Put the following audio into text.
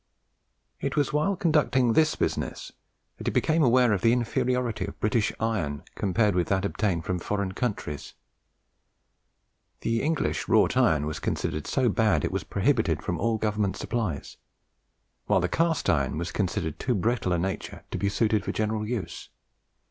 It was while conducting this business that he became aware of the inferiority of British iron compared with that obtained from foreign countries. The English wrought iron was considered so bad that it was prohibited from all government supplies, while the cast iron was considered of too brittle a nature to be suited for general use.